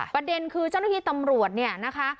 ประเด็นคือเจ้าหน้าที่ตำรวจเนี่ยนะคะ